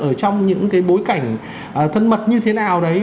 ở trong những cái bối cảnh thân mật như thế nào đấy